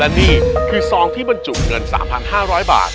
และนี่คือซองที่บรรจุเงิน๓๕๐๐บาท